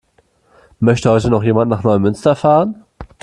Möchte heute noch jemand nach Neumünster fahren?